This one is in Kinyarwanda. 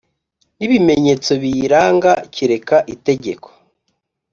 n ibimenyetso biyaranga kereka itegeko